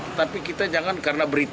saya ingin menjelaskan ke arah masyarakat